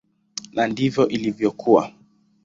Na ndivyo ilivyokuwa.